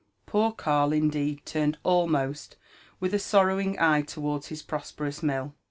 Poor Karl indeed turned almost with a sorrowing eye towards his prosperous mill.